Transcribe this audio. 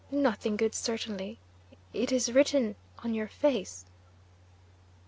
Nothing good, certainly. It is written on your face."